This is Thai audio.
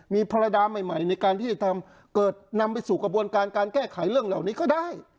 มีภรรยาใหม่ในการที่จะทำเกิดนำไปสู่กระบวนการการแก้ไขเรื่องเหล่านี้ก็ได้